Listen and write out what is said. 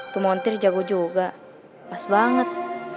tumontir jago juga pas banget